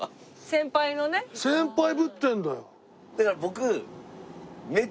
先輩ぶってるんだよ。